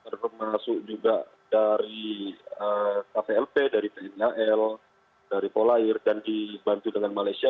termasuk juga dari kvlp dari tni al dari polair dan dibantu dengan malaysia